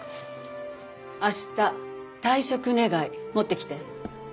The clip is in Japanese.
明日退職願持ってきて。